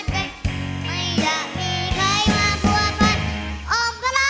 หน้าเนื้อใจเสื้ออย่างเธอ